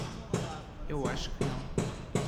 Eu acho que não.